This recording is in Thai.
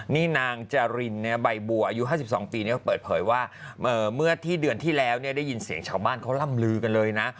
นี่นางจารินใบบัวอายุ๕๒ปีเขาเปิดเผยว่าเมื่อที่เดือนที่แล้วได้ยินเสียงชาวบ้านเขาร่ำลือกันเลยนะ